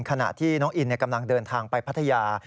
ขณะที่น้องอินกำลังเดินทางไปพัทยา